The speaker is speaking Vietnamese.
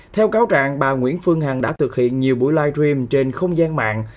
theo cáo trạng bà nguyễn phương hằng đã thực hiện nhiều buổi live stream trên không gian mạng